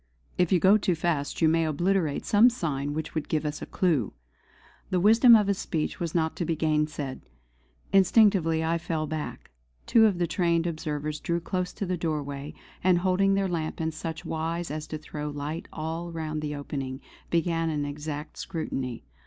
If you go too fast you may obliterate some sign which would give us a clue!" The wisdom of his speech was not to be gainsaid. Instinctively I fell back; two of the trained observers drew close to the doorway, and holding their lamp in such wise as to throw light all round the opening, began an exact scrutiny.